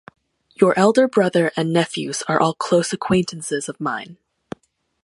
Your elder brother and nephews are all close acquaintances of mine.